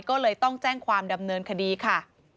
ก็เลยต้องแจ้งความดำเนินคดีค่ะ